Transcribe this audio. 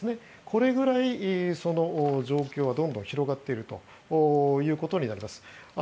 これぐらい状況はどんどん広がっているということになります。